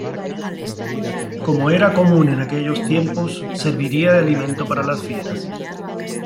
Como era común en aquellos tiempos, serviría de alimento para las fieras.